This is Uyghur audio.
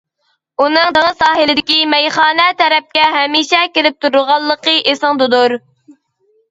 -ئۇنىڭ دېڭىز ساھىلدىكى مەيخانا تەرەپكە ھەمىشە كېلىپ تۇرىدىغانلىقى ئېسىڭدىدۇر.